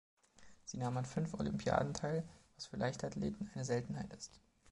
Sie nahm an fünf Olympiaden teil, was für Leichtathleten eine Seltenheit ist.